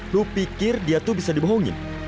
lu pikir dia tuh bisa dibohongin